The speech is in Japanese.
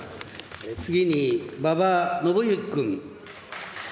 次に、馬場伸幸君。